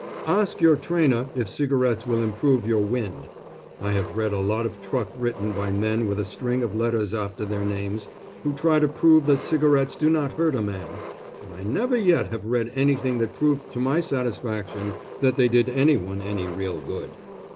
Ask your trainer if cigarettes will improve your wind. I have read a lot of truck written by men with a string of letters after their names, who try to prove that cigarettes do not hurt a man, but I never yet have read anything that proved to my satisfaction that they did anyone any real good.